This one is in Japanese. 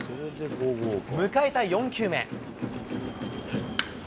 迎えた４球目。